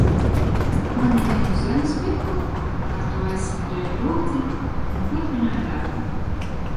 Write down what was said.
Paņēmu zemes piku, ar to aizsmērēju brūci un turpināju darbu.